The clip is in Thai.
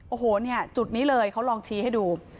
โอ้โหเนี่ยจุดนี้เลยเขาลองชี้ให้ดู